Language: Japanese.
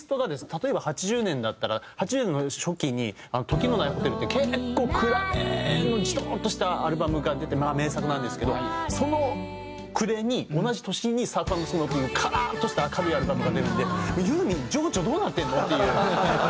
例えば８０年だったら８０年の初期に『時のないホテル』って結構暗めのジトッとしたアルバムが出てまあ名作なんですけどその暮れに同じ年に『ＳＵＲＦ＆ＳＮＯＷ』というカラッとした明るいアルバムが出るんでユーミン情緒どうなってるの？っていう。